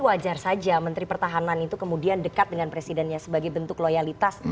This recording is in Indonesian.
wajar saja menteri pertahanan itu kemudian dekat dengan presidennya sebagai bentuk loyalitas